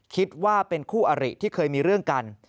คิดว่าเป็นคู่อริที่เคยมีเรื่องกัน